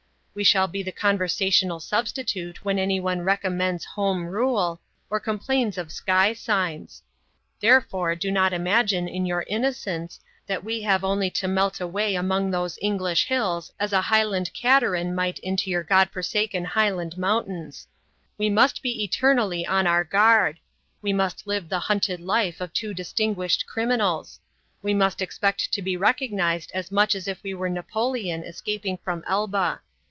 We shall be the conversational substitute when anyone recommends Home Rule, or complains of sky signs. Therefore, do not imagine, in your innocence, that we have only to melt away among those English hills as a Highland cateran might into your god forsaken Highland mountains. We must be eternally on our guard; we must live the hunted life of two distinguished criminals. We must expect to be recognized as much as if we were Napoleon escaping from Elba.